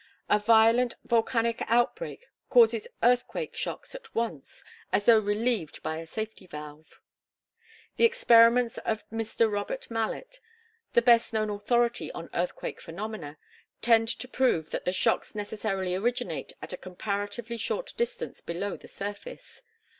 A violent volcanic outbreak causes earthquake shocks at once, as though relieved by a safety valve. The experiments of Mr. Robert Mallet, the best known authority on earthquake phenomena, tend to prove that the shocks necessarily originate at a comparatively short distance below the surface.